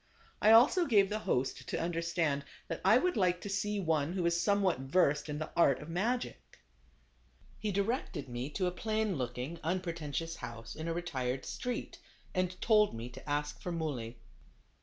I also gave the host to understand that I would like to see one who was somewhat versed in the art of magic. He directed me to a plain looking, un pretentious house, in a retired street, and told me to ask for Muley.